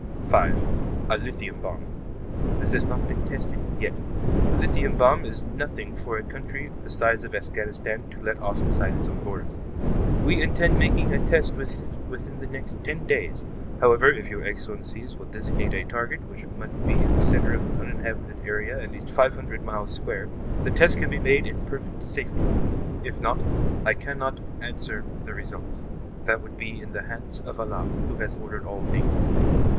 5.) A lithium bomb. This has not been tested, yet. A lithium bomb is nothing for a country the size of Afghanistan to let off inside its own borders. We intend making a test with it within the next ten days, however If your Excellencies will designate a target, which must be at the center of an uninhabited area at least five hundred miles square, the test can be made in perfect safety. If not, I cannot answer the results; that will be in the hands of Allah, Who has ordained all things.